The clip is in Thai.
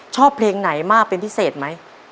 ชอบเพลงไหนมากเป็นพิเศษไหม